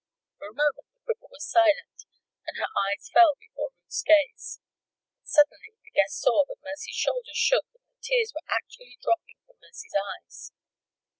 For a moment the cripple was silent and her eyes fell before Ruth's gaze. Suddenly the guest saw that Mercy's shoulders shook and that tears were actually dropping from Mercy's eyes.